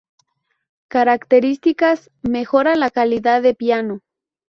Características: mejora la calidad de piano.